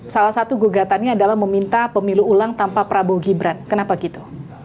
salah satu gugatannya adalah meminta pemilu ulang tanpa prabowo gibran kenapa gitu